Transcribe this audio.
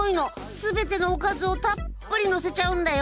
全てのおかずをたっぷりのせちゃうんだよ。